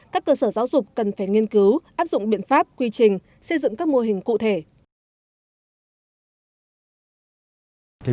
các cơ sở giáo dục cần phải đối với các cơ sở giáo dục